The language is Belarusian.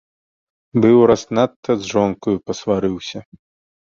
Быў раз надта з жонкаю пасварыўся.